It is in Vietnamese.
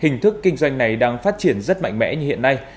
hình thức kinh doanh này đang phát triển rất mạnh mẽ như hiện nay